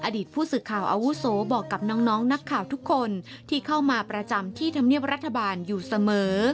อดีตผู้สื่อข่าวอาวุโสบอกกับน้องนักข่าวทุกคนที่เข้ามาประจำที่ธรรมเนียบรัฐบาลอยู่เสมอ